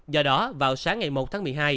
do đó vào sáng ngày một tháng một mươi hai